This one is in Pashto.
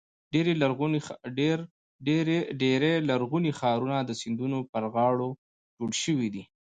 ډېری لرغوني ښارونه د سیندونو پر غاړو جوړ شوي دي.